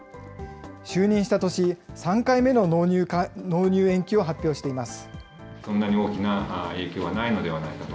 就任した年、３回目の納入延期を発表しています。